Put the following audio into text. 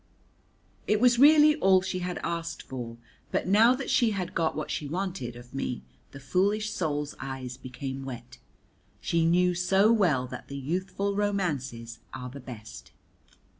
It was really all she had asked for, but now that she had got what she wanted of me the foolish soul's eyes became wet, she knew so well that the youthful romances are the best.